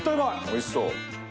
おいしそう。